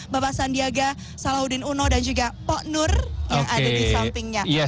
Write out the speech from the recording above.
bapak sandiaga salahuddin uno dan juga pok nur yang ada di sampingnya